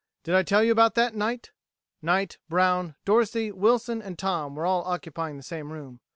"Did I tell you about that, Knight?" Knight, Brown, Dorsey, Wilson, and Tom were all occupying the same room.